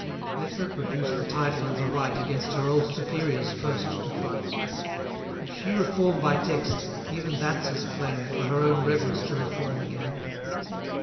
Let her produce the title and the right Against her old superiors first to fight; If she reform by text, even that's as plain 460 For her own rebels to reform again.